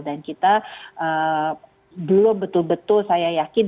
dan kita belum betul betul saya yakin